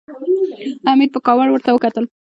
حميد په کاوړ ورته وکتل.